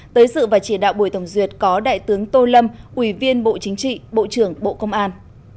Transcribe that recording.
tới sự và chỉ đạo buổi tổng duyệt có đại tướng tô lâm ủy viên bộ chính trị bộ trưởng bộ công an